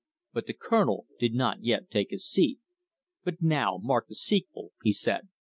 But the Colonel did not yet take his seat. "But now, mark the sequel," he said.